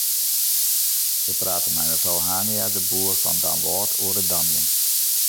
We prate mei mefrou Hania-de Boer fan Damwâld oer it damjen.